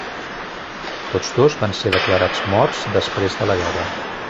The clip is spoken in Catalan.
Tots dos van ser declarats morts després de la Guerra.